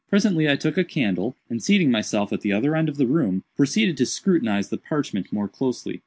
Presently I took a candle, and seating myself at the other end of the room, proceeded to scrutinize the parchment more closely.